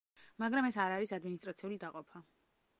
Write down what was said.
მაგრამ, ეს არ არის ადმინისტრაციული დაყოფა.